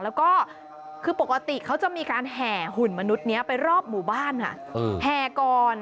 แล้วก็คือปกติเขาจะมีการแห่หุ่นมนุษย์นี้ไปรอบหมู่บ้านค่ะแห่ก่อน